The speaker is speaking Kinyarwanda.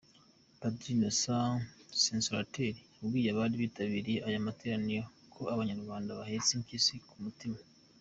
Padiri Innocent Consolateur yabwiye abari bitabiriye aya materaniro, ko Abanyarwanda bahetse impyisi ku mutima.